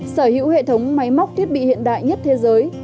sở hữu hệ thống máy móc thiết bị hiện đại nhất thế giới